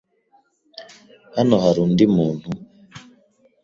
Hano hari undi muntu?